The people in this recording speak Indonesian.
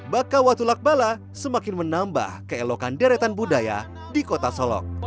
baka watu lakbala semakin menambah keelokan deretan budaya di kota solok